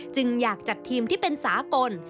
จึงอยากจัดทีมที่เป็นสากล